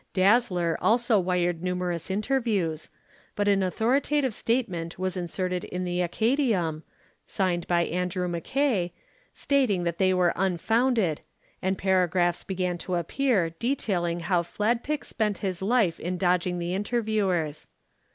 Dazzler also wired numerous interviews, but an authoritative statement was inserted in the Acadæum, signed by Andrew Mackay, stating that they were unfounded, and paragraphs began to appear detailing how Fladpick spent his life in dodging the interviewers.